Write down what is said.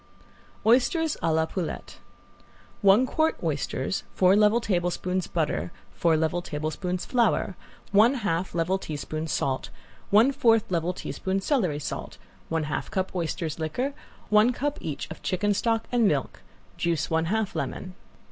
~OYSTERS A LA POULETTE~ One quart oysters, four level tablespoons butter, four level tablespoons flour, one half level teaspoon salt, one fourth level teaspoon celery salt, one half cup oysters liquor, one cup each of chicken stock and milk, juice one half lemon.